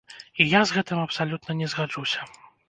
І я з гэтым абсалютна не згаджуся.